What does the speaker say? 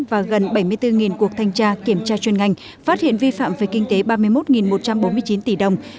và gần bảy mươi bốn cuộc thanh tra kiểm tra chuyên ngành phát hiện vi phạm về kinh tế ba mươi một một trăm bốn mươi chín tỷ đồng